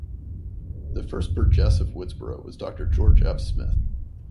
The first Burgess of Woodsboro was Doctor George F. Smith.